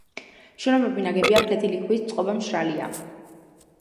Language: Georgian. შენობები ნაგებია ფლეთილი ქვით, წყობა მშრალია.